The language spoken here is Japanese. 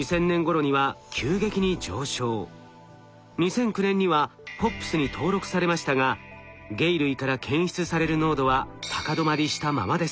２００９年にはＰＯＰｓに登録されましたが鯨類から検出される濃度は高止まりしたままです。